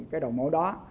cái đầu mẫu đó